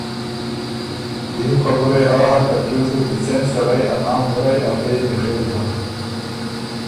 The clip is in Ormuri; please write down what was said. دیم خبُره يې آ هۀ که تیوس بُو ته څېن سړئ ا نام وُرئ افۀ يې میخېل هۀ۔